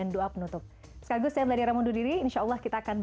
masa yang akan datang